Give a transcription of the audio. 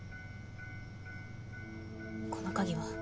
この鍵は？